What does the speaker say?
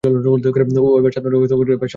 ওহ, এবার, সাবধান, সাবধান।